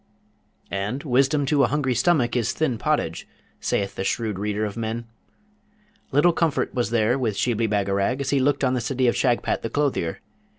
And 'wisdom to a hungry stomach is thin pottage,' saith the shrewd reader of men. Little comfort was there with Shibli Bagarag, as he looked on the city of Shagpat the clothier!